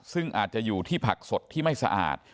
ซึ่งอาจจะอยู่ที่ผักสดที่ไม่สะอาด